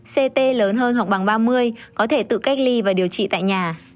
ct lớn hơn hoặc bằng ba mươi có thể tự cách ly và điều trị tại nhà